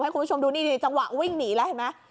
คุณผู้ชมดูนี่จังหวะวิ่งหนีแล้วเห็นไหม